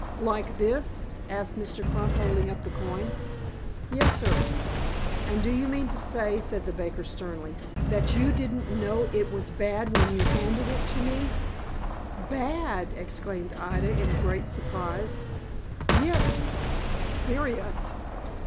"Like this?" asked Mr. Crump, holding up the coin. "Yes, sir." "And do you mean to say," said the baker, sternly, "that you didn't know it was bad when you handed it to me?" "Bad!" exclaimed Ida, in great surprise. "Yes, spurious.